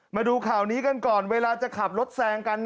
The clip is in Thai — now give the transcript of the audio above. มาดูข่าวนี้กันก่อนเวลาจะขับรถแซงกัน